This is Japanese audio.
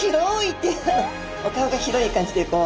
お顔が広い感じでこう。